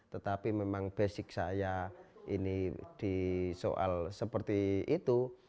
tetapi memang basic saya ini di soal seperti itu